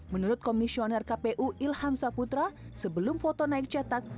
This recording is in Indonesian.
menurut komisioner kpu ilham saputra sebelum foto naik cetak